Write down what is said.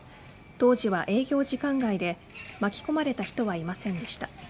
当時は営業時間外で巻き込まれた人はいませんでした。